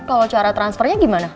kalau cara transfernya gimana